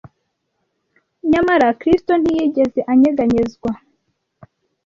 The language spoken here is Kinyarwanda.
Nyamara Kristo ntiyigeze anyeganyezwa.